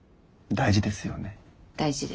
大事です。